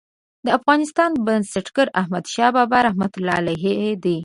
د افغانستان بنسټګر احمدشاه بابا رحمة الله علیه دی.